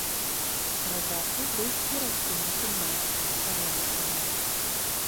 Праз раку быў перакінуты мост з парэнчамі.